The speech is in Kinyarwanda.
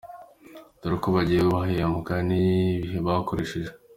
Dore uko bagiye bahembwa n’ibihe bakoresheje:.